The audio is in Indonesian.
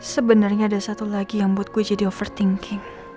sebenarnya ada satu lagi yang buatku jadi overthinking